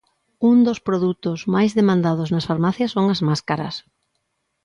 Un dos produtos máis demandados nas farmacias son as máscaras.